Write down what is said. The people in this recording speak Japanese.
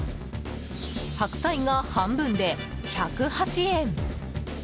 白菜が半分で１０８円。